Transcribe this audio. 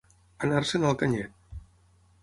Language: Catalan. Anar-se'n al canyet.